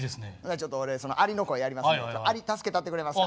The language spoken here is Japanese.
ちょっと俺そのアリの声やりますんでアリ助けたってくれますか？